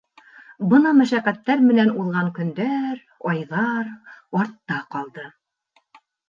Бына мәшәҡәттәр менән уҙған көндәр, айҙар артта ҡалды.